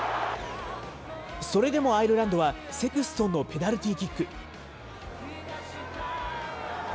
それでもアイルランドは、セクストンのペナルティーキック。